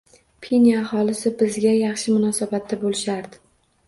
Pinya aholisi bizga yaxshi munosabatda bo`lishardi